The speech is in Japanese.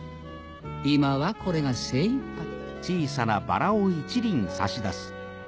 今はこれが精いっぱい。